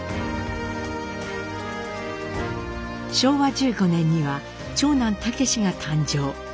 昭和１５年には長男武が誕生。